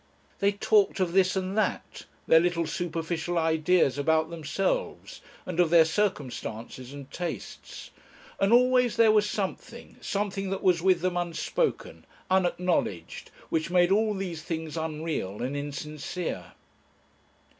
They talked of this and that, their little superficial ideas about themselves, and of their circumstances and tastes, and always there was something, something that was with them unspoken, unacknowledged, which made all these things unreal and insincere.